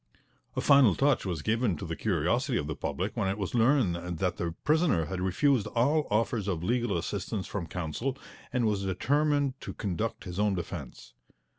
A final touch was given to the curiosity of the public when it was learned that the prisoner had refused all offers of legal assistance from counsel and was determined to conduct his own defence.